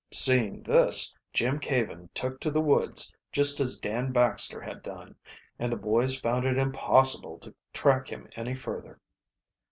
Seeing this, Jim Caven took to the woods just as Dan Baxter had done, and the boys found it impossible to track him any further.